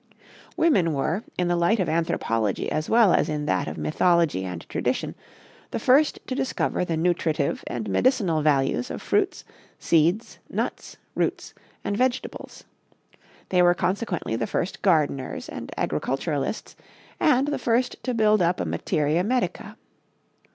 Women were, in the light of anthropology, as well as in that of mythology and tradition, the first to discover the nutritive and medicinal values of fruits, seeds, nuts, roots and vegetables. They were consequently the first gardeners and agriculturists and the first to build up a materia medica.